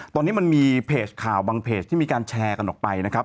ตอนนี้มันมีเพจข่าวบางเพจที่มีการแชร์กันออกไปนะครับ